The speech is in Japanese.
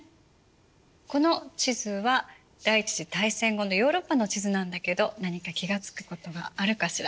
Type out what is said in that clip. この地図は第一次大戦後のヨーロッパの地図なんだけど何か気が付くことがあるかしら？